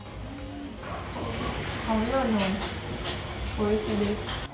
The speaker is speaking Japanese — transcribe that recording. おいしいです。